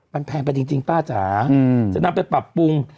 มันแพงไปจริงป้าจ๋าจะนำไปปรับปรุง